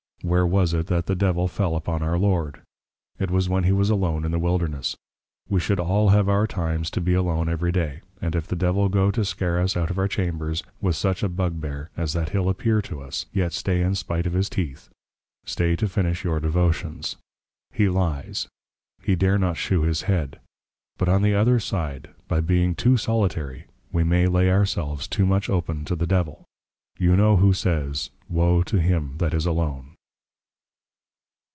Where was it, that the Devil fell upon our Lord? it was when he was Alone in the Wilderness. We should all have our Times to be Alone every Day; and if the Devil go to scare us out of our Chambers, with such a Bugbear, as that he'll appear to us, yet stay in spite of his teeth, stay to finish your Devotions; he Lyes, he dare not shew his head. But on the other side by being too solitary, we may lay our selves too much open to the Devil; You know who says, _Wo to him that is alone.